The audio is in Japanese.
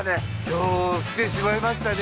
今日来てしまいましたね。